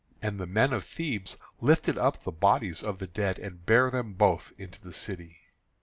And the men of Thebes lifted up the bodies of the dead, and bare them both into the city.